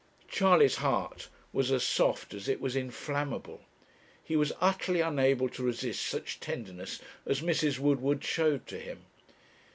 Charley's heart was as soft as it was inflammable. He was utterly unable to resist such tenderness as Mrs. Woodward showed to him.